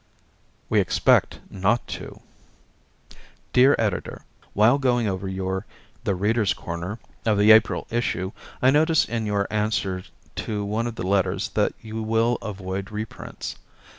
We Expect Not To Dear Editor: While going over your "The Readers' Corner" of the April issue, I noticed in your answer to one of the letters that you will avoid reprints.